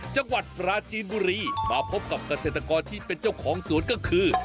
จังหวัดปราจีนบุรีมาพบกับเกษตรกรที่เป็นเจ้าของสวนก็คือ